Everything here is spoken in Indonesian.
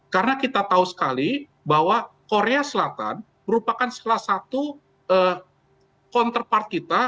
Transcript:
karena kita tahu sekali bahwa korea selatan merupakan salah satu counterpart kita